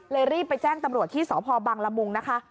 รีบไปแจ้งตำรวจที่สพบังละมุงนะคะ